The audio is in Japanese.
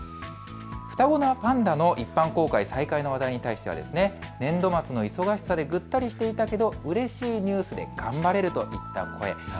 双子のパンダの一般公開再開の話題に対して、年度末の忙しさでぐったりしていたけどうれしいニュース、頑張れるといった声。